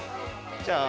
じゃあ。